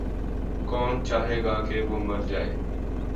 کون چاہے گا کہ وہ مر جاَئے۔